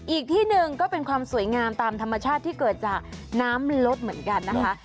อีกที่หนึ่งก็เป็นความสวยงามตามธรรมชาติที่เกิดจากน้ำลดเหมือนกันนะคะ